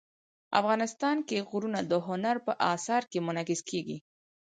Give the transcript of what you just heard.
افغانستان کې غرونه د هنر په اثار کې منعکس کېږي.